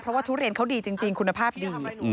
เพราะว่าทุเรียนเขาดีจริงคุณภาพดี